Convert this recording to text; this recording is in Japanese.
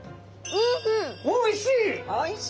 おいしい！